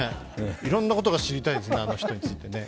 いろんなことが知りたいですね、あの人について。